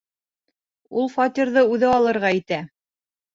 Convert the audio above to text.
Ул фатирҙы үҙе алырға итә!